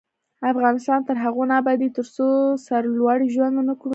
افغانستان تر هغو نه ابادیږي، ترڅو سرلوړي ژوند ونه کړو.